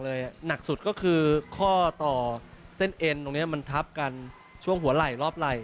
ที่สุดก็คือข้อต่อเส้นเอ็นมันใช้กันช่วงหัวไหล่รอบไหล่